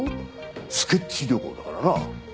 スケッチ旅行だからな。